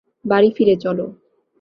বাড়ি ফিরে চলো।